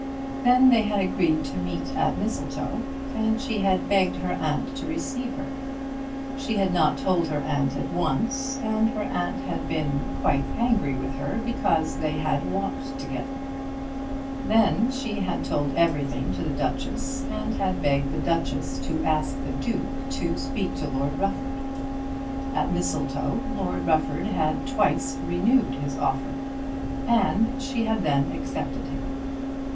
Then they had agreed to meet at Mistletoe, and she had begged her aunt to receive her. She had not told her aunt at once, and her aunt had been angry with her because they had walked together. Then she had told everything to the Duchess and had begged the Duchess to ask the Duke to speak to Lord Rufford. At Mistletoe Lord Rufford had twice renewed his offer, and she had then accepted him.